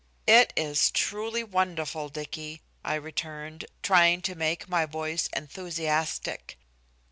"It is truly wonderful, Dicky," I returned, trying to make my voice enthusiastic.